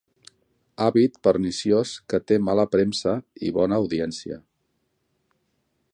Hàbit perniciós que té mala premsa i bona audiència.